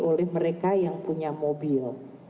oleh mereka yang punya mobil